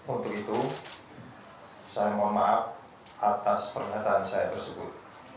untuk itu saya mohon maaf atas pernyataan saya tersebut